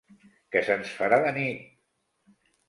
Que se'ns farà de nit!